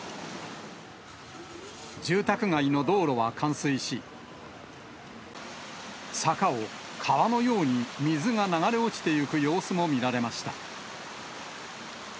住宅街の道路は冠水し、坂を川のように水が流れ落ちてゆく様子も見られました。